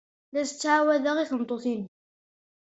La as-ttɛawadeɣ i tmeṭṭut-inu.